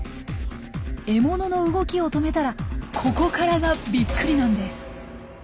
獲物の動きを止めたらここからがびっくりなんです。